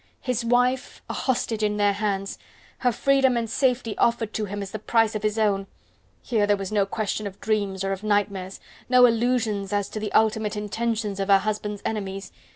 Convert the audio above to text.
his wife, a hostage in their hands! her freedom and safety offered to him as the price of his own! Here there was no question of dreams or of nightmares: no illusions as to the ultimate intentions of her husband's enemies.